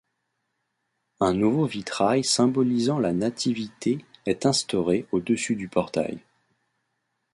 Un nouveau vitrail symbolisant la Nativité est instauré au-dessus du portail.